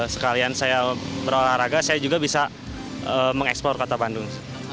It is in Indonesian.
sekalian saya berolahraga saya juga bisa mengeksplor kota bandung